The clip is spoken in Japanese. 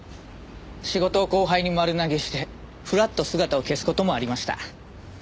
仕事を後輩に丸投げしてふらっと姿を消す事もありました。